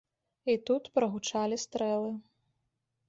І тут прагучалі стрэлы.